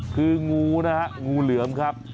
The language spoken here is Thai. คืองูนะฮะงูเหลือมครับ